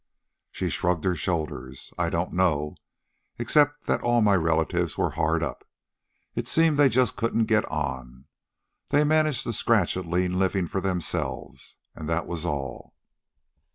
She shrugged her shoulders. "I don't know, except that all my relatives were hard up. It seemed they just couldn't get on. They managed to scratch a lean living for themselves, and that was all.